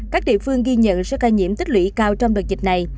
các địa phương ghi nhận số ca nhiễm tích lũy cao trong đợt dịch này